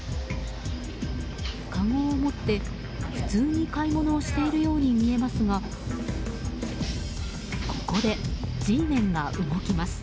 かごを持って普通に買い物をしているように見えますがここでＧメンが動きます。